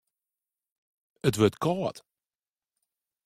It wurdt kâld.